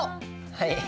はい。